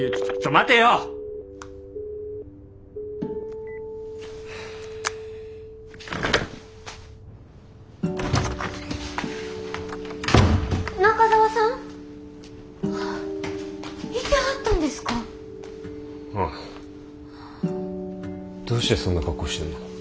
どうしてそんな格好してんの？